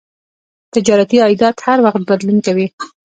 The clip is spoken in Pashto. تجارتي عایدات هر وخت بدلون کوي.